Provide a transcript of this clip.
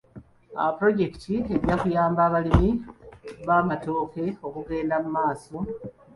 Pulojekiti ejja kuyamba abalimi b'amatooke okugenda mu maaso n'okulima amatooke.